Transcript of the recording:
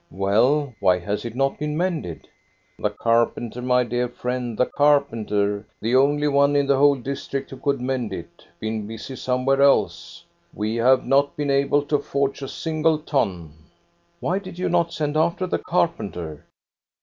Well, why has it not been mended?" Tlie carpenter, my dear friend, the carpenter, the ly one in the whole district who could mend it, been busy somewhere else. We have not been able to forge a single ton." " Why did you not send after the carpenter?"